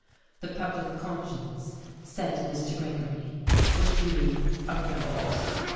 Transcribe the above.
The public conscience, said Mr. Gregory, was being aroused.